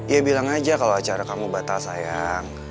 ya bilang aja kalau acara kamu batal sayang